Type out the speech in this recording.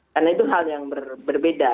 karena itu hal yang berbeda